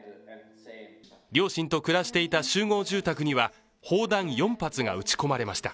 両親と暮らしていた集合住宅には砲弾４発が撃たれました。